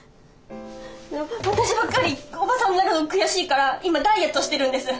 でも私ばっかりおばさんになるの悔しいから今ダイエットしてるんです。